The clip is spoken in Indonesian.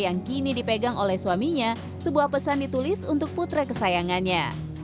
yang kini dipegang oleh suaminya sebuah pesan ditulis untuk putra kesayangannya